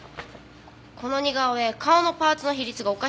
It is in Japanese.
この似顔絵顔のパーツの比率がおかしいです。